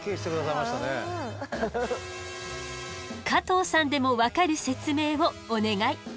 加藤さんでも分かる説明をお願い。